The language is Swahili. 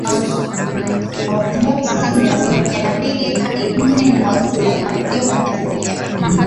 Waorthodoks ni asilimia mbili hadi nne na waislamu wakiwa ni asilimia moja